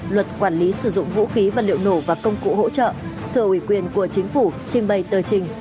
luật quản lý sử dụng vũ khí vật liệu nổ và công cụ hỗ trợ thờ ủy quyền của chính phủ trình bày tờ trình